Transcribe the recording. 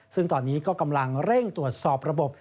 ซึ่งตอนนี้ก็กำลังเร่งตรวจสอบระบบ